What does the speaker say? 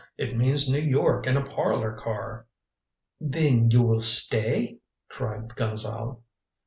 It means New York in a parlor car." "Then you will stay?" cried Gonzale.